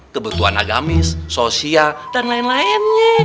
kebutuhan agamis sosial dan lain lainnya